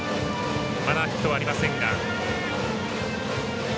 まだヒットはありませんが。